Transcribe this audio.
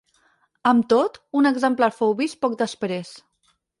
Amb tot, un exemplar fou vist poc després.